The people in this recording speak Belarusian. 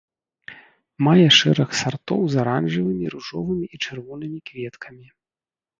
Мае шэраг сартоў з аранжавымі, ружовымі і чырвонымі кветкамі.